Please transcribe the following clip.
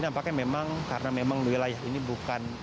nampaknya memang karena memang wilayah ini bukan